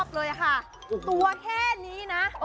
ตัวแค่นี้นะ